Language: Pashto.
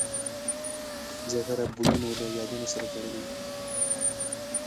زیاتره بویونه له یادونو سره تړلي وي.